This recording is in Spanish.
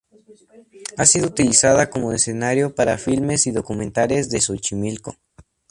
Ha sido utilizada como escenario para filmes y documentales de Xochimilco.